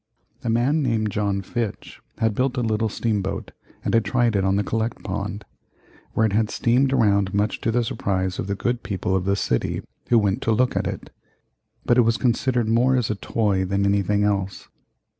A man named John Fitch had built a little steam boat and had tried it on the Collect Pond, where it had steamed around much to the surprise of the good people of the city who went to look at it. But it was considered more as a toy than anything else.